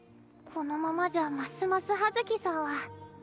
このままじゃますます葉月さんは。